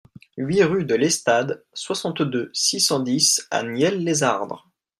huit rue de l'Estade, soixante-deux, six cent dix à Nielles-lès-Ardres